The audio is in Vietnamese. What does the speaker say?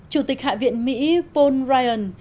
chủ tịch hạ viện mỹ paul ryan